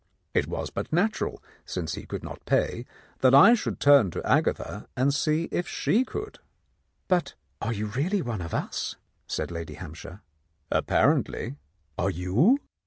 It was but natural, since he could not pay, that I should turn to Agatha and see if she could." "But are you really one of us?" said Lady Hampshire. "Apparently. Are you?"